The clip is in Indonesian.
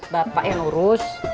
bapak yang urus